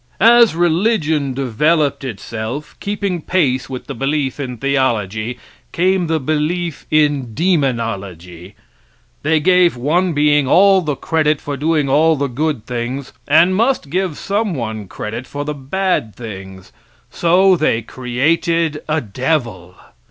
As religion developed itself, keeping pace with the belief in theology, came the belief in demonology. They gave one being all the credit of doing all the good things, and must give some one credit for the bad things, and so they created a devil.